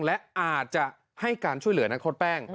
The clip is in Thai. และอาจจะให้การช่วยเหลือนักโทษแป้ง